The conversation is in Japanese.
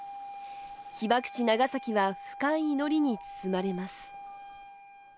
被爆地ナガサキは深い祈りに包まれます。